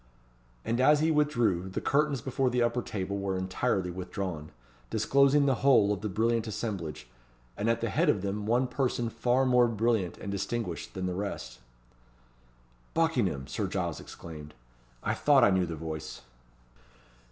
And as he withdrew, the curtains before the upper table were entirely withdrawn, disclosing the whole of the brilliant assemblage, and at the head of them one person far more brilliant and distinguished than the rest. "Buckingham!" Sir Giles exclaimed. "I thought I knew the voice."